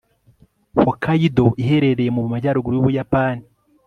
hokkaido iherereye mu majyaruguru yubuyapani